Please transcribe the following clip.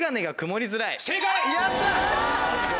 やった！